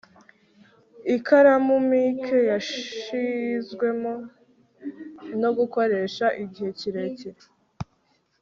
Ikaramu mike yashizwemo no gukoresha igihe kirekire